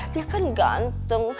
dia kan ganteng